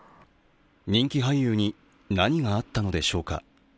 人気俳優に何があったのでしょうか。